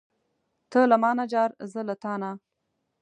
ته له مانه جار، زه له تانه.